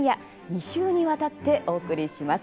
２週にわたってお送りします。